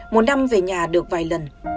một năm về nhà được vài lần